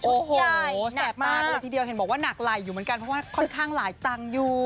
โอ้โหแสบมากเลยทีเดียวเห็นบอกว่าหนักไหลอยู่เหมือนกันเพราะว่าค่อนข้างหลายตังค์อยู่